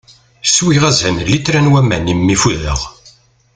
Swiɣ azal n lyitra n waman imi fudeɣ.